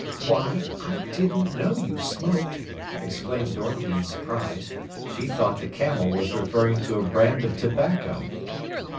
"Why, I didn't know you smoked!" exclaimed Dorothy in surprise. She thought the camel was referring to a brand of tobacco.